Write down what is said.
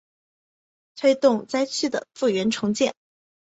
推动灾区的复原重建